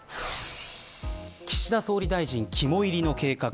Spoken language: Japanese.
岸田総理大臣、肝いりの計画。